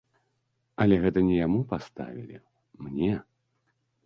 Але гэта не яму паставілі, мне.